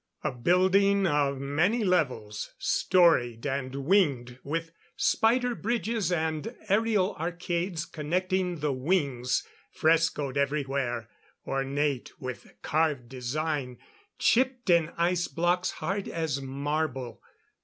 A building of many levels, storied and winged, with spider bridges and aerial arcades connecting the wings. Frescoed everywhere! ornate with carved design chipped in ice blocks hard as marble.